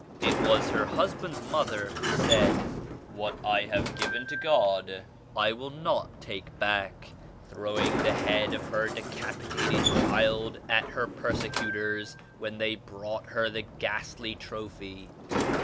It was her husband's mother who said, "What I have given to God I will not take back," throwing the head of her decapitated child at her persecutors when they brought her the ghastly trophy.